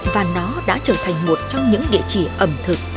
và nó đã trở thành một trong những nghệ trì ẩm thực